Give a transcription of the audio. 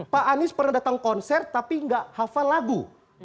pak anies pernah datang konser tapi nggak hafal lagu